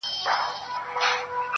لویدیځ میشتي تر ډیره شنې سترګې